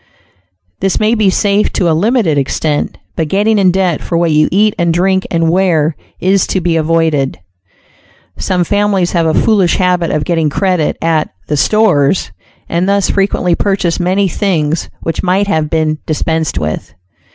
This may be safe to a limited extent, but getting in debt for what you eat and drink and wear is to be avoided. Some families have a foolish habit of getting credit at "the stores," and thus frequently purchase many things which might have been dispensed with.